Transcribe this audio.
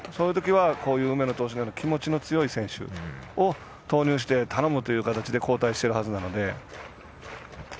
こういう梅野投手のような気持ちの強い投手を投入して頼むという形で交代してるはずなので。